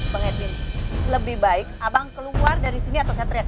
pengedin lebih baik abang keluar dari sini atau saya treat